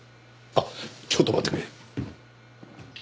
あっちょっと待ってくれ。